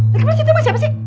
lagi lagi situ mah siapa sih